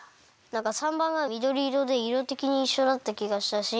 なんか③ばんはみどりいろでいろてきにいっしょだったきがしたし。